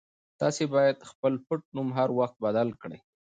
تاسي باید خپل پټنوم هر وخت بدل کړئ.